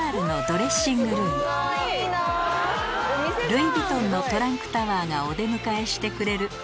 ＤＲのドレッシングルームのトランクタワーがお出迎えしてくれる